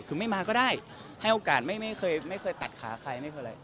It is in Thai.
คือไม่มาก็ได้ให้โอกาสไม่เคยตัดขาใครไม่เคยอะไร